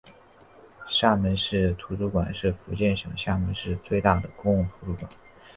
厦门市图书馆是福建省厦门市最大的公共图书馆。